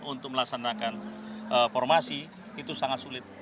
untuk melaksanakan formasi itu sangat sulit